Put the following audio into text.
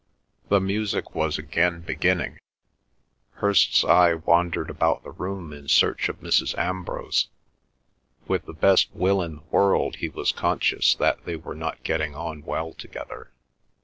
The music was again beginning. Hirst's eye wandered about the room in search of Mrs. Ambrose. With the best will in the world he was conscious that they were not getting on well together.